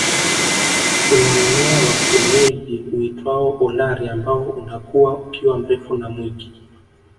Kuna mmea wa kienyeji uitwao Olari ambao unakua ukiwa mrefu na mwingi